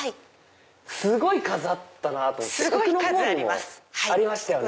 すごい数あったなぁと思って奥の方にもありましたよね。